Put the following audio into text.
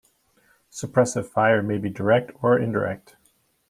Suppressive fire may be direct or indirect.